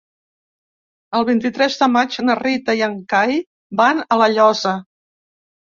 El vint-i-tres de maig na Rita i en Cai van a La Llosa.